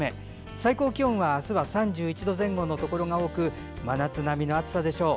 最高気温は３１度前後のところが多く真夏並みの暑さでしょう。